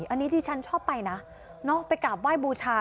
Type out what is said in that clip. อันนี้ที่ฉันชอบไปนะไปกราบไหว้บูชา